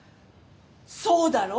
そうだろ？